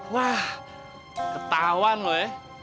wah ketahuan lu ya